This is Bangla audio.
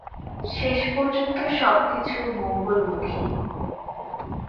শেষ পর্যন্ত সব কিছু মঙ্গলমুখী।